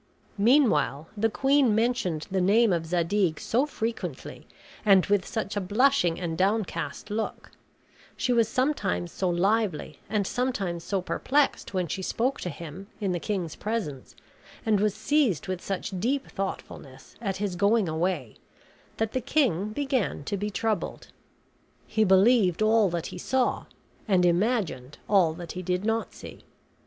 Meanwhile the queen mentioned the name of Zadig so frequently and with such a blushing and downcast look; she was sometimes so lively and sometimes so perplexed when she spoke to him in the king's presence, and was seized with such deep thoughtfulness at his going away, that the king began to be troubled. He believed all that he saw and imagined all that he did not see.